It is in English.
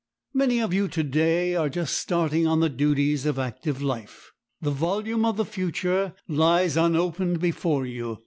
Many of you to day are just starting on the duties of active life. The volume of the future lies unopened before you.